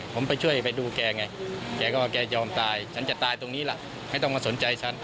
ผมไปช่วยไปดูแกไงแกก็แกยอมตายฉันจะตายตรงนี้ล่ะไม่ต้องมาสนใจฉัน